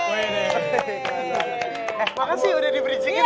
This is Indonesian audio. makasih udah di bridging in